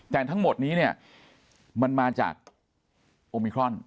แต่ทั้งหมดนี้เนี่ยมันมาจากโอมิครอน